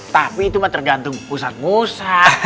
tapi itu mah tergantung ustadz mu sadz